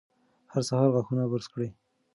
هر سهار غاښونه برس کړئ.